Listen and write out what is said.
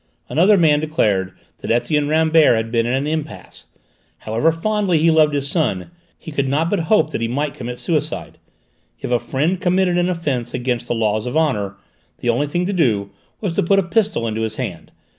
Another man declared that Etienne Rambert had been in an impasse: however fondly he loved his son he could not but hope that he might commit suicide: if a friend committed an offence against the laws of honour, the only thing to do was to put a pistol into his hand.